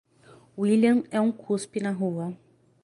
William é um cuspe na rua.